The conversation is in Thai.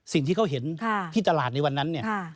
สิ่งที่เขาเห็นที่ตลาดในวันนั้นเนี่ย